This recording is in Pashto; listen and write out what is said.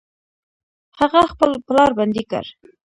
هغه خپل پلار بندي کړ.